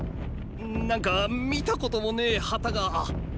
なんか見たこともねェ旗が。